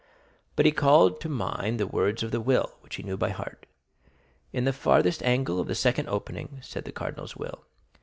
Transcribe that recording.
But he called to mind the words of the will, which he knew by heart. "In the farthest angle of the second opening," said the cardinal's will.